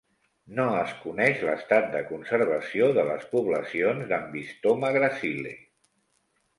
No es coneix l'estat de conservació de les poblacions d'"Ambystoma gracile".